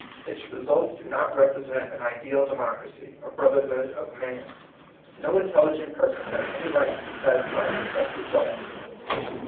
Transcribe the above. Its results do not represent an ideal democracy, a brotherhood of man. No intelligent person POSSIBLE REVOLUTION, 161 has any right to be satisfied with such re sults.